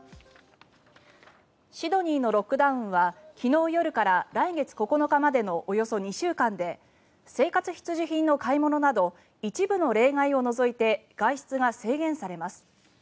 シドニーのロックダウンは昨日夜から来月９日までのおよそ２週間で生活必需品の買い物など一部の例外を除いて外出が制限されます。